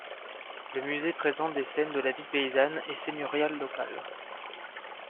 Le musée présente des scènes de la vie paysanne et seigneuriale locale.